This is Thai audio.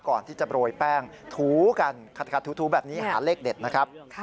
ก่อนที่จะโรยแป้งถูกันขัดถูแบบนี้หาเลขเด็ดนะครับ